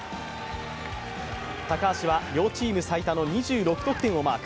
高橋は両チーム最多の２６得点をマーク。